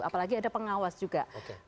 apalagi ada pengawas juga